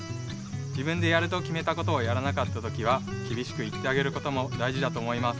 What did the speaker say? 自分でやるときめたことをやらなかった時はきびしく言ってあげることもだいじだと思います。